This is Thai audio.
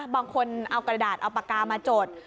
บางคนเอากระดาษเอาปากกามาจด